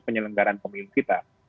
penyelenggaran pemilu kita